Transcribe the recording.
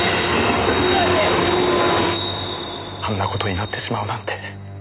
あんな事になってしまうなんて。